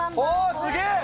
あすげえ！